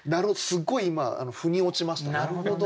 すごい今ふに落ちましたね。